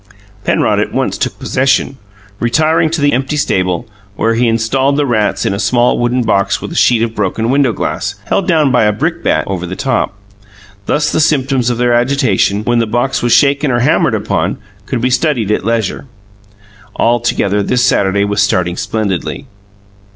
Penrod at once took possession, retiring to the empty stable, where he installed the rats in a small wooden box with a sheet of broken window glass held down by a brickbat over the top. Thus the symptoms of their agitation, when the box was shaken or hammered upon, could be studied at leisure. Altogether this Saturday was starting splendidly.